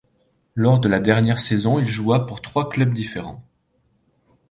Lors de la dernière saison, il joua pour trois clubs différents.